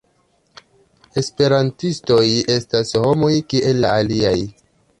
Esperantistoj estas homoj kiel la aliaj.